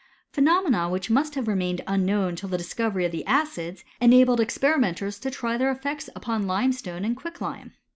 Phenomena whicl must have remained unknown till the discovery of th* acids enabled experimenters to try their efiects upo: limestone and quicklime.